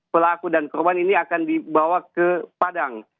pelaku dan korban ini akan dibawa ke padang